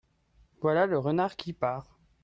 Voilà le renard qui part.